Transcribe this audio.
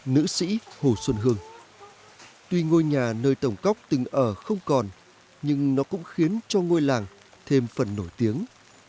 ngôi nhà nơi tổng cóc từng ở không còn nhưng nó cũng khiến cho ngôi làng thêm phần nổi tiếng